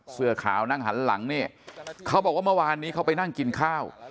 เสื้อขาวนั่งหันหลังนี่เขาบอกว่าเมื่อวานนี้เขาไปนั่งกินข้าว